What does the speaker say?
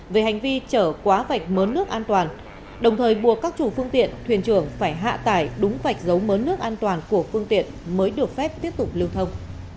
về hành vi chở quá vạch mớn nước an toàn đồng thời buộc các chủ phương tiện thuyền trưởng phải hạ tải đúng vạch giấu mớn nước an toàn của phương tiện mới được phép tiếp tục lưu thông